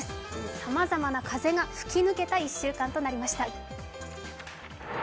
様々な風が吹き抜けた１週間となりました。